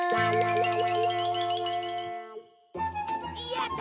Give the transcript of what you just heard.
やった！